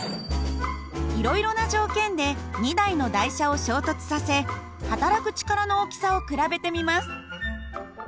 いろいろな条件で２台の台車を衝突させはたらく力の大きさを比べてみます。